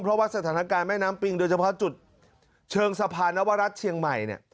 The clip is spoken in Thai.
เพราะว่าสถานการณ์แม่น้ำปิงโดยเฉพาะจุดเชิงสะพานนวรัฐเชียงใหม่เนี่ย